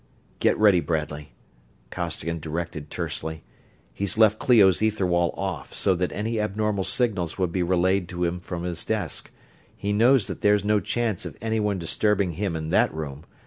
"Get ready, Bradley!" Costigan directed tersely. "He's left Clio's ether wall off, so that any abnormal signals would be relayed to him from his desk he knows that there's no chance of anyone disturbing him in that room.